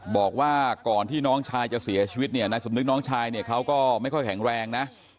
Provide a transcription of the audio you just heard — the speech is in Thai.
บอกว่าก่อนที่น้องชายจะเสียชีวิตเนี่ยนายสมนึกน้องชายเนี่ยเขาก็ไม่ค่อยแข็งแรงนะ